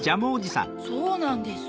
・そうなんです。